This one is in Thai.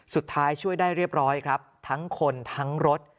ช่วยได้เรียบร้อยครับทั้งคนทั้งรถ